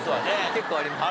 結構ありますね。